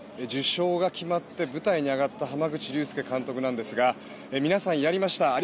受賞が決まって舞台に上がった濱口竜介監督ですがみなさんやりました